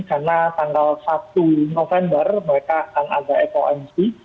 karena tanggal satu november mereka akan ada ekonomi